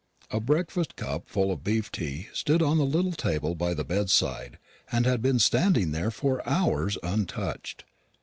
A breakfast cup full of beef tea stood on the little table by the bedside, and had been standing there for hours untouched.